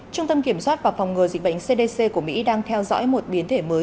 trung tâm kiểm soát và phòng ngừa dịch bệnh cdc của mỹ đang theo dõi một biến thể mới